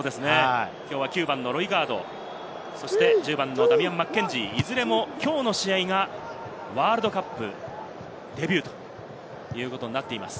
９番のロイガード、そして１０番のダミアン・マッケンジー、いずれもきょうの試合がワールドカップデビューということになっています。